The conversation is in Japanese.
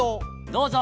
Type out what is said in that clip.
どうぞ。